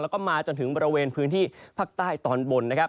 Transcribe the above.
แล้วก็มาจนถึงบริเวณพื้นที่ภาคใต้ตอนบนนะครับ